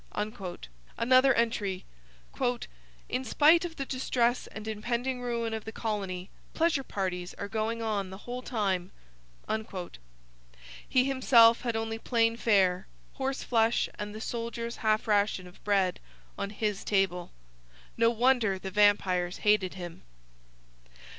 Another entry: 'in spite of the distress and impending ruin of the colony pleasure parties are going on the whole time.' He himself had only plain fare horse flesh and the soldier's half ration of bread on his table. No wonder the vampires hated him!